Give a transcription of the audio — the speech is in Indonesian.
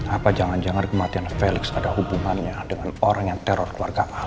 apa jangan jangan kematian felix ada hubungannya dengan orang yang teror keluarga